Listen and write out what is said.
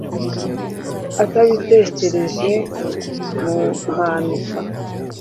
atabitekerereje muhanuka